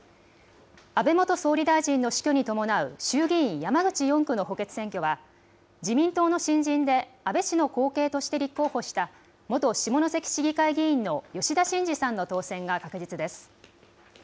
安倍元総理大臣の死去に伴う衆議院山口４区の補欠選挙は、自民党の新人で安倍さんの後継として立候補した元下関市議会議員の吉田真次さんの当選が確実です。